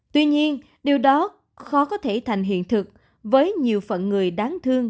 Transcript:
tuy nhiên điều đó khó có thể thành hiện thực với nhiều phận người đáng thương